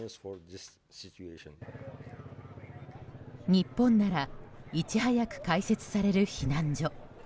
日本ならいち早く開設される避難所。